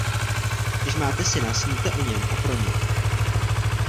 Když máte syna, sníte o něm a pro něj.